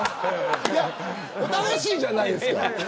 楽しいじゃないですか。